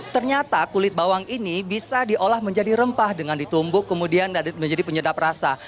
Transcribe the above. ternyata kulit bawang ini bisa diolah menjadi rempah dengan ditumbuk kemudian menjadi penyedap rasa